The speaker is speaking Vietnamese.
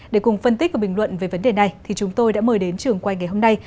để cùng phân tích và bình luận về vấn đề này thì chúng tôi đã mời đến trường quay ngày hôm nay